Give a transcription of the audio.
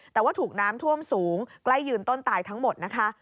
แต่ว่าถูกน้ำท่วมสูงใกล้ยืนต้นตายทั้งหมดนะคะ